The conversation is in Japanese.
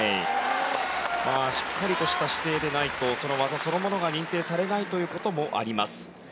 しっかりとした姿勢でないとその技そのものが認定されないということもあります。